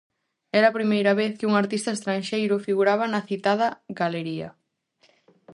Era a primeira vez que un artista estranxeiro figuraba na citada galería.